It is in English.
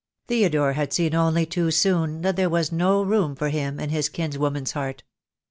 Theodore had seen only too soon that there was no room for him in his kinswoman's heart.